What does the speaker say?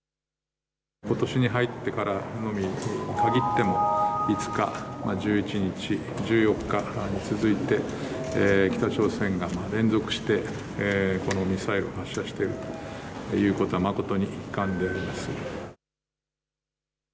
ことしに入ってからのみ限っても５日、１１日、１４日に続いて北朝鮮が連続してこのミサイルを発射しているということは誠に遺憾であります。